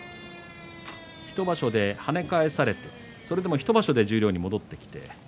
１場所で跳ね返されてそれでも１場所で十両に戻ってきています。